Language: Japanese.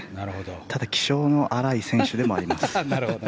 ただ気性の荒い選手でもあります。